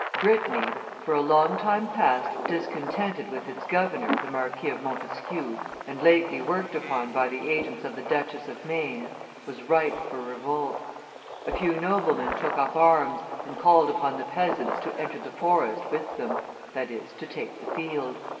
Brittany, for a long time past discontented with its governor, the Marquis of Montesquiou, and lately worked upon by the agents of the Duchess of Maine, was ripe for revolt; a few noblemen took up arms, and called upon the peasants to enter the forest with them, that is, to take the field.